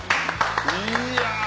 いや。